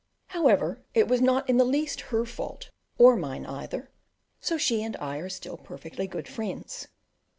However, it was not in the least her fault, or mine either; so she and I are still perfectly good friends.